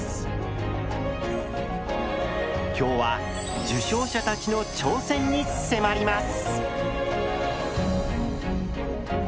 今日は受賞者たちの挑戦に迫ります。